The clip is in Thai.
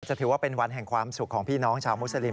ถือว่าเป็นวันแห่งความสุขของพี่น้องชาวมุสลิม